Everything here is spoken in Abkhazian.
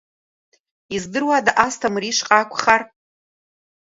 Издыруада Асҭамыр ишҟа акәхар.